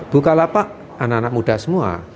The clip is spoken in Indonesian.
bukalapak anak anak muda semua